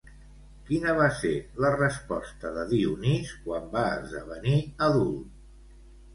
Quina va ser la resposta de Dionís quan va esdevenir adult?